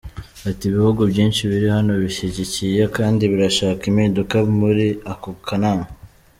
Ati “Ibihugu byinshi biri hano bishyigikiye kandi birashaka impinduka muri ako kanama.